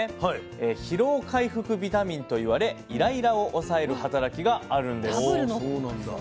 疲労回復ビタミンと言われイライラを抑える働きがあるんです。